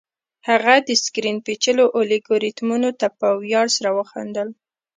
هغه د سکرین پیچلو الګوریتمونو ته په ویاړ سره وخندل